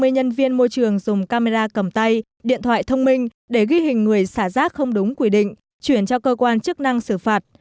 ba mươi nhân viên môi trường dùng camera cầm tay điện thoại thông minh để ghi hình người xả rác không đúng quy định chuyển cho cơ quan chức năng xử phạt